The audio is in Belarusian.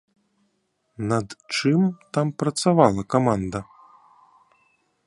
Над чым там працавала каманда?